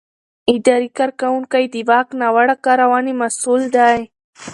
اداري کارکوونکی د واک ناوړه کارونې مسؤل دی.